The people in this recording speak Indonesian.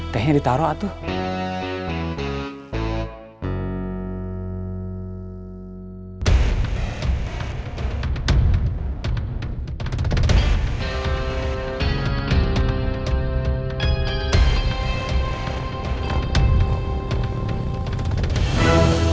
tehnya ditaruh atuh